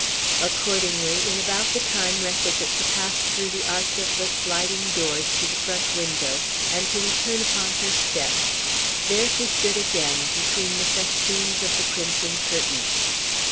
Accordingly, in about the time requisite to pass through the arch of the sliding doors to the front window, and to return upon her steps, there she stood again, between the festoons of the crimson curtains.